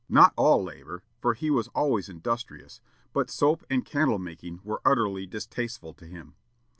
not all labor, for he was always industrious, but soap and candle making were utterly distasteful to him.